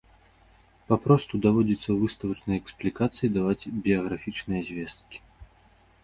Папросту даводзіцца ў выставачнай эксплікацыі даваць біяграфічныя звесткі.